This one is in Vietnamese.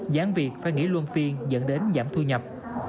giảm việc phải nghỉ luôn phiên dẫn đến giảm thu nhập